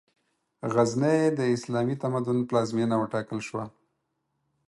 غزنی، د اسلامي تمدن پلازمېنه وټاکل شوه.